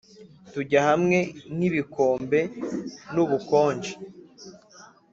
tujya hamwe nkibikombe nubukonje.